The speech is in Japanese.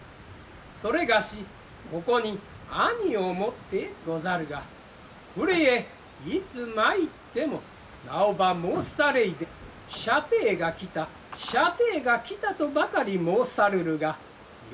それがしここに兄をもってござるがこれへいつまいっても名をば申されいで舎弟がきた舎弟がきたとばかり申さるるが。